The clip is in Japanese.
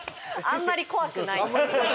あんまり怖くない。